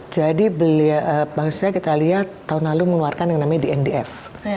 jadi kita lihat tahun lalu mengeluarkan yang namanya dndf